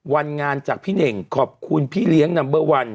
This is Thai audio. วันงานจากพี่เน่งขอบคุณพี่เลี้ยงนัมเบอร์วัน